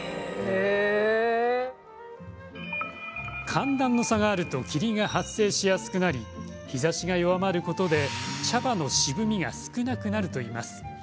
寒暖の差があると霧が発生しやすくなり日ざしが弱まることで茶葉の渋みが少なくなるといいます。